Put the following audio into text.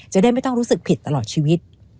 จะได้ไม่ต้องรู้สึกผิดตลอดชีวิต